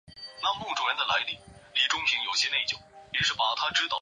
婆罗门教奉行种姓制度。